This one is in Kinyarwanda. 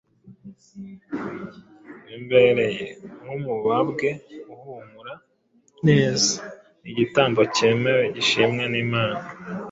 bimbereye nk’umubabwe uhumura neza, n’igitambo cyemewe gishimwa n’Imana. ”